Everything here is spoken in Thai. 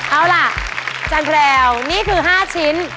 เอาล่ะจันแพรวนี่คือ๕ชิ้น